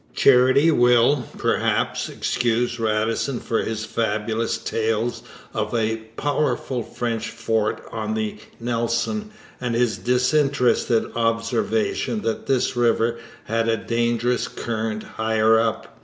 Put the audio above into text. Charity will, perhaps, excuse Radisson for his fabulous tales of a powerful French fort on the Nelson and his disinterested observation that this river had a dangerous current higher up.